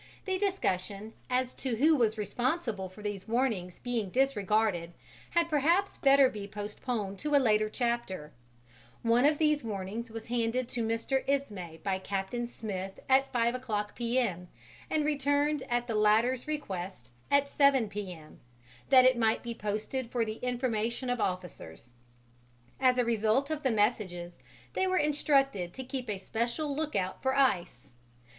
The discussion as to who was responsible for these warnings being disregarded had perhaps better be postponed to a later chapter. One of these warnings was handed to Mr. Ismay by Captain Smith at 5 P.M. and returned at the latter's request at 7 P.M., that it might be posted for the information of officers; as a result of the messages they were instructed to keep a special lookout for ice.